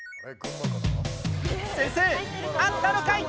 先生、あったのかい？